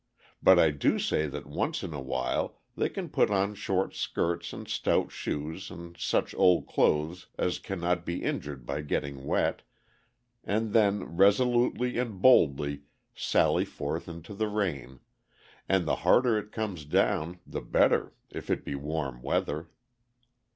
But I do say that once in a while they can put on short skirts and stout shoes and such old clothes as cannot be injured by getting wet, and then resolutely and boldly sally forth into the rain, and the harder it comes down the better, if it be warm weather.